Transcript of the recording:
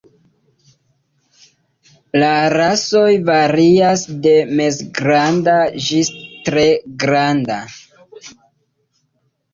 La rasoj varias de mezgranda ĝis tre granda.